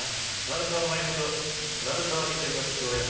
鳴沢麻由美と鳴沢未知留の父親